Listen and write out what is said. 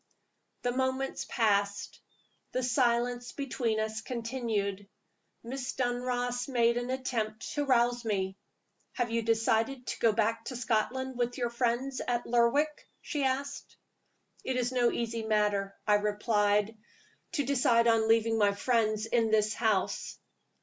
THE moments passed; the silence between us continued. Miss Dunross made an attempt to rouse me. "Have you decided to go back to Scotland with your friends at Lerwick?" she asked. "It is no easy matter," I replied, "to decide on leaving my friends in this house."